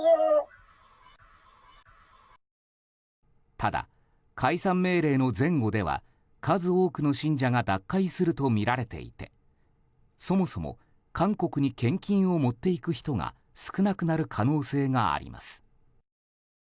ただ、解散命令の前後では数多くの信者が脱会するとみられていてそもそも韓国に献金を持っていく人が少なくなる可能性があります。